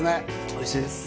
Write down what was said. おいしいです